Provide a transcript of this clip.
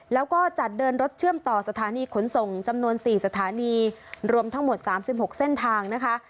แล้วก็จัดเดินรถเชื่อมต่อสถานีขนส่งจำนวน๔สถานีรวมทั้งหมด๓๖เส้นทางนะคะ